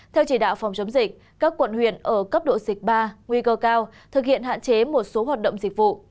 theo chỉ đạo phòng chống dịch các quận huyện ở cấp độ dịch ba nguy cơ cao thực hiện hạn chế một số hoạt động dịch vụ